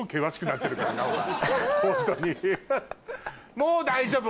もう大丈夫！